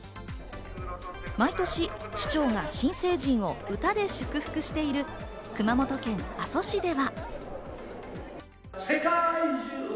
毎年、市長が新成人を歌で祝福している熊本県阿蘇市では。